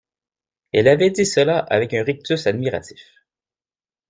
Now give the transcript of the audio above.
Elle avait dit cela avec un rictus admiratif.